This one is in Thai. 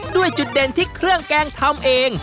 ด้วยจุดเด่นที่เครื่องแกงทำเอง